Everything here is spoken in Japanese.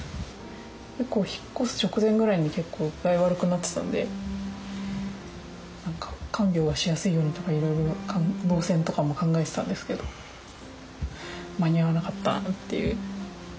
引っ越す直前ぐらいに結構具合悪くなってたんで看病はしやすいようにとかいろいろ動線とかも考えてたんですけど間に合わなかったっていう。